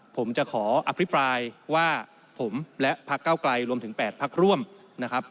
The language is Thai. ผมจะขออภิปรายว่าผมและพักเก้าไกลรวมถึง๘พักร่วมนะครับ